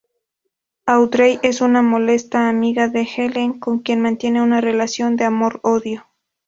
Audrey es una molesta amiga de Ellen, con quien mantiene una relación de amor-odio.